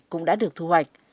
cũng đã được thu hoạch